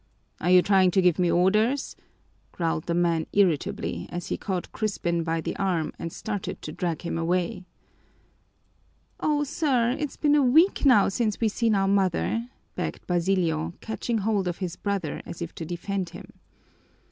"Are you trying to give me orders?" growled the man irritably, as he caught Crispin by the arm and started to drag him away. "Oh, sir, it's been a week now since we're seen our mother," begged Basilio, catching hold of his brother as if to defend him.